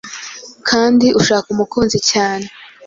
kandi ushaka umukunzi cyane